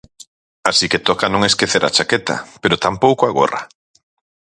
Así que toca non esquecer a chaqueta, pero tampouco a gorra.